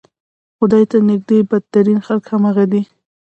خدای ته نږدې بدترین خلک همغه دي.